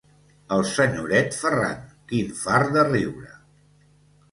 El senyoret Ferran, quin fart de riure!